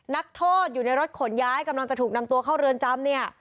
นักโทษอยู่ในรถขนย้ายกำลังจะถูกนำตัวเข้าเรือนจำเนี่ย